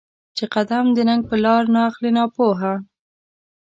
چې قـــــدم د ننــــــــګ په لار ناخلې ناپوهه